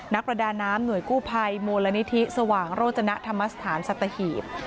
ประดาน้ำหน่วยกู้ภัยมูลนิธิสว่างโรจนธรรมสถานสัตหีบ